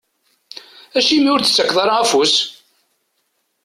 Acimi ur d-tettakeḍ ara afus?